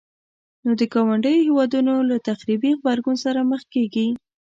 نو د ګاونډيو هيوادونو له تخريبي غبرګون سره مخ کيږي.